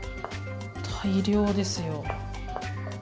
大量ですよ。